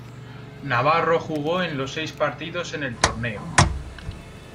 Navarro jugó en los seis partidos en el torneo.